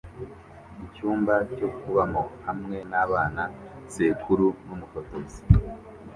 Icyumba cyo kubamo hamwe nabana sekuru numufotozi